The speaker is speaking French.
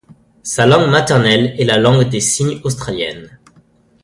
Sa langue maternelle est la Langue des signes australienne.